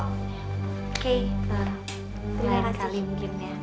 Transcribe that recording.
oke lain kali mungkin ya